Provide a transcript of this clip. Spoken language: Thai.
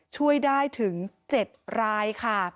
ช่วยได้ถึง๗รายค่ะ